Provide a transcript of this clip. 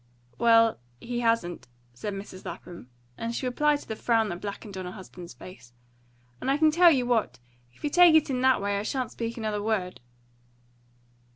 "Well, he hasn't," said Mrs. Lapham; and she replied to the frown that blackened on her husband's face. "And I can tell you what, if you take it in that way I shan't speak another word."